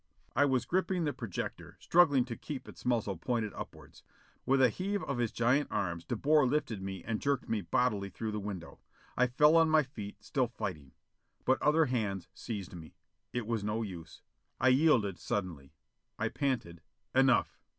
I was gripping the projector, struggling to keep its muzzle pointed upwards. With a heave of his giant arms De Boer lifted me and jerked me bodily through the window. I fell on my feet, still fighting. But other hands seized me. It was no use. I yielded suddenly. I panted: "Enough!"